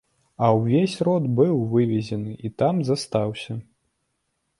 А ўвесь род быў вывезены і там застаўся.